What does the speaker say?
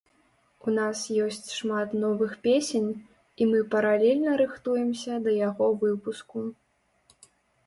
У нас ёсць шмат новых песень і мы паралельна рыхтуемся да яго выпуску.